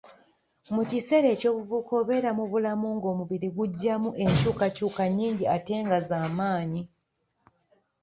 Mu kiseera eky'obuvubuka obeera mu bulamu ng'omubiri gujjamu enkyukakyuka nnyingi ate nga z'amaanyi.